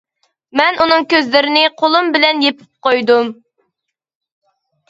مەن ئۇنىڭ كۆزلىرىنى قولۇم بىلەن يېپىپ قويدۇم.